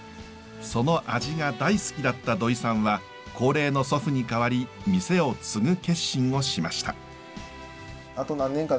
その味が大好きだった土居さんは高齢の祖父に代わり店を継ぐ決心をしました。